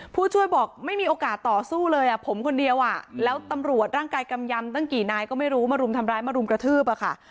ผู้ช่วยบอกไม่มีโอกาสต่อสู้เลยอ่ะผมคนเดียวอ่ะแล้วตำรวจร่างกายกำยำตั้งกี่นายก็ไม่รู้มารุมทำร้ายมารุมกระทืบอะค่ะ